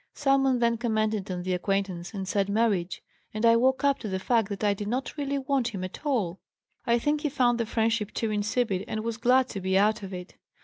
Someone then commented on the acquaintance and said 'marriage,' and I woke up to the fact that I did not really want him at all. I think he found the friendship too insipid and was glad to be out of it.